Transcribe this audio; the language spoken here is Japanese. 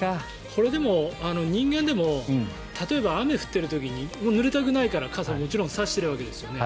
これでも、人間でも例えば、雨降ってる時にぬれたくないから傘をもちろん差しているわけですよね。